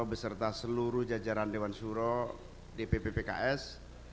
beserta seluruh jajaran dewan suro di pppks